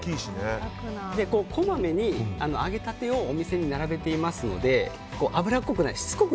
こまめに揚げたてをお店に並べていますので油っこくない。